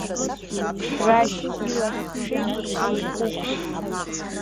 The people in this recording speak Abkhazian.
Рашь илахь шеиқәыц иеиқәуп.